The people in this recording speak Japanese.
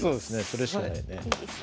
それしかないよね。